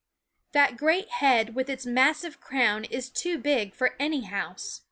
That great head with its massive crown is too big for any house.